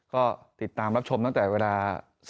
ก็ติดตามรับชมตั้งแต่เวลา